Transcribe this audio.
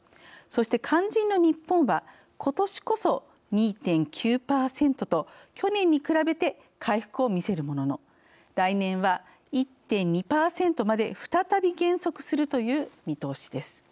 そして肝心の日本はことしこそ２．９％と去年に比べて回復をみせるものの来年は１．２％まで再び減速するという見通しです。